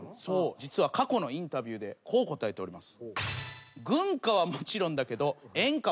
実は過去のインタビューでこう答えております。